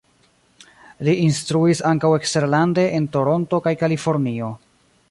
Li instruis ankaŭ eksterlande en Toronto kaj Kalifornio.